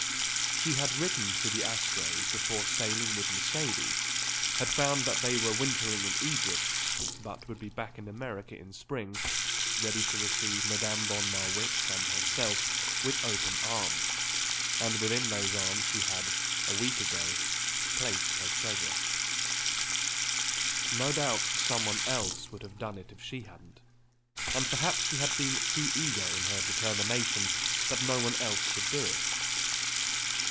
She had written to the Aspreys before sailing with Mercedes, had found that they were wintering in Egypt, but would be back in America in Spring, ready to receive Madame von Marwitz and herself with open arms; and within those arms she had, a week ago, placed her treasure. No doubt someone else would have done it if she hadn't; and perhaps she had been too eager in her determination that no one else should do it.